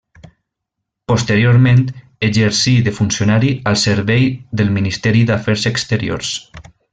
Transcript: Posteriorment exercí de funcionari al servei del Ministeri d'Afers Exteriors.